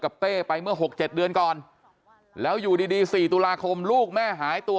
เต้ไปเมื่อ๖๗เดือนก่อนแล้วอยู่ดี๔ตุลาคมลูกแม่หายตัว